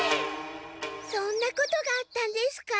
そんなことがあったんですか。